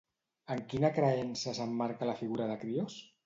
En quina creença s'emmarca la figura de Crios?